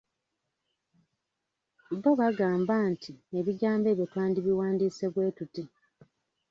"Bo, bagamba nti ebigambo ebyo twandibiwandiise bwe tuti."